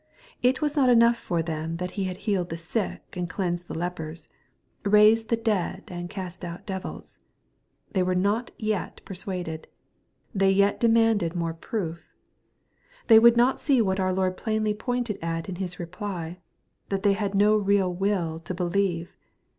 It was not enough for them that He. had healed I he sick, and cleansed the lepers, raised the dead, and :ast out devils. They were not yet persiiaded. They yet demanded more proof. They would not see what our Lord plainly pointed at in His reply, that they had no real will to beheve.